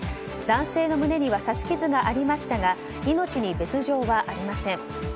男性の胸には刺し傷がありましたが命に別条はありません。